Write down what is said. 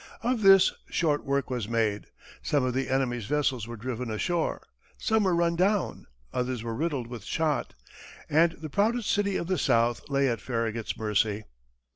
Of this, short work was made. Some of the enemy's vessels were driven ashore, some were run down, others were riddled with shot and the proudest city of the South lay at Farragut's mercy.